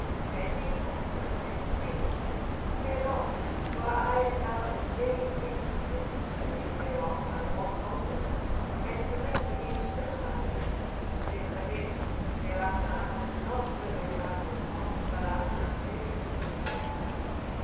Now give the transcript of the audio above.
And he comforting her, said, "Fear not, for I am now in very deed risen from death whereof I was holden, and permitted again to live among men; nevertheless, hereafter I must not live as I was wont, but after a very different manner."